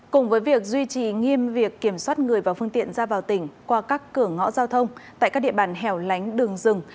cùng với việc duy trì nghiêm việc kiểm soát người và phương tiện ra vào tỉnh qua các cửa ngõ giao thông tại các địa bàn hẻo lánh đường rừng